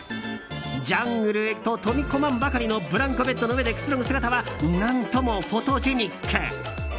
ジャングルへと飛び込まんばかりのブランコベッドの上でくつろぐ姿は何ともフォトジェニック。